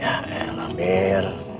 ya elah mir